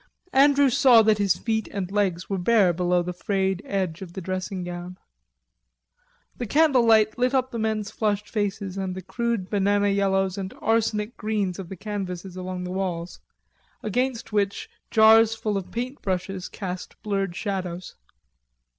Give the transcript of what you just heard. Andrews saw that his feet and legs were bare below the frayed edge of the dressing gown. The candle light lit up the men's flushed faces and the crude banana yellows and arsenic greens of the canvases along the walls, against which jars full of paint brushes cast blurred shadows.